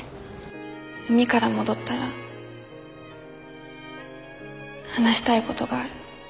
海から戻ったら話したいごどがある。